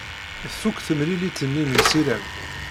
Tfuk temlilit-nni s ussirem.